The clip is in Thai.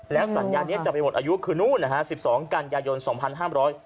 แล้วสัญญานี้จะไปหมดอายุคือนู่นนะฮะสิบสองกันยายนสองพันห้ามร้อย